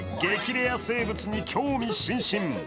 レア生物に興味津々。